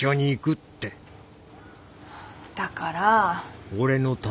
だから。